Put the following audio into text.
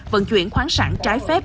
vận chuyển khoáng sẵn trái phép